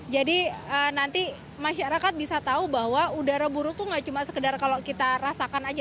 jadi nanti masyarakat bisa tahu bahwa udara buruk itu tidak cuma sekedar kalau kita rasakan saja